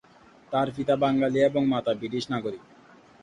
তার পিতা বাঙালি এবং মাতা ব্রিটিশ নাগরিক।